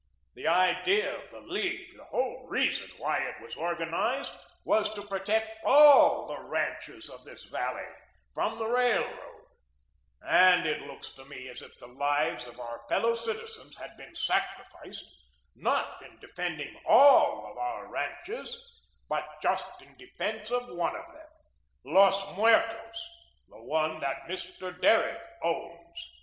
The idea of the League, the whole reason why it was organised, was to protect ALL the ranches of this valley from the Railroad, and it looks to me as if the lives of our fellow citizens had been sacrificed, not in defending ALL of our ranches, but just in defence of one of them Los Muertos the one that Mr. Derrick owns."